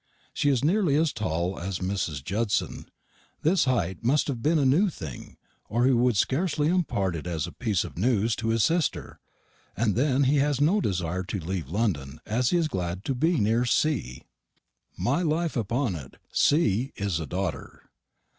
She is nearly as tall as Mrs. Judson. This height must have been a new thing, or he would scarcely impart it as a piece of news to his sister. And then he has no desire to leave London, as he is glad to be near C. My life upon it, C. is a daughter.